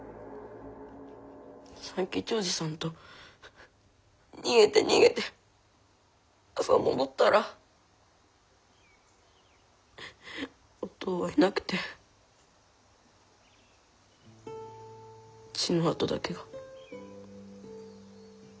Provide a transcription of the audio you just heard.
三吉おじさんと逃げて逃げて朝戻ったらおとうはいなくて血の跡だけが。